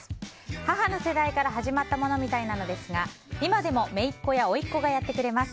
母の世代から始まったものみたいなのですが今でも姪っ子や甥っ子がやってくれます。